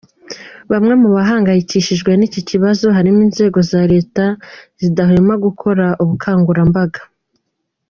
Bamwe mu bahangayikishijwe n’iki kibazo, harimo inzego za leta zidahwema gukora ubukangurambaga.